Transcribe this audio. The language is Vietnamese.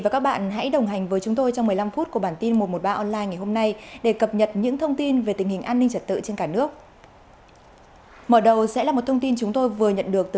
cảm ơn các bạn đã theo dõi và ủng hộ cho bản tin một trăm một mươi ba online